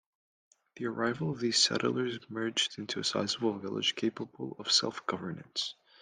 The arrival of these settlers merged into a sizable village capable of self- governance.